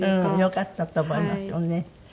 よかったと思いますよね。